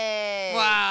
わあ